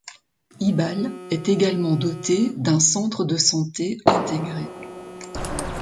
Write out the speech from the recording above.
Ibal est également doté d'un Centre de santé intégré.